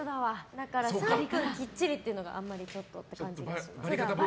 だから３分きっちりというのがあんまりっていう感じがします。